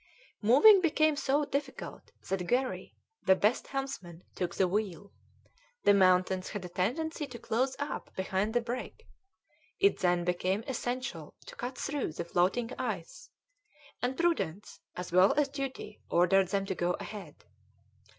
Moving became so difficult that Garry, the best helmsman, took the wheel; the mountains had a tendency to close up behind the brig; it then became essential to cut through the floating ice, and prudence as well as duty ordered them to go ahead.